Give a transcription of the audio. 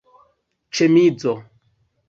ĉemizo